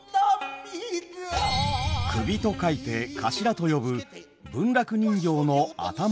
首と書いて「かしら」と呼ぶ文楽人形の頭の部分。